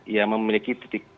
yang memiliki titik